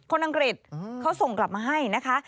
อังกฤษเขาส่งกลับมาให้นะคะ